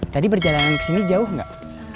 tadi perjalanan ke sini jauh nggak